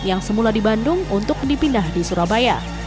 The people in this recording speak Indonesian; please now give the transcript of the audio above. yang semula di bandung untuk dipindah di surabaya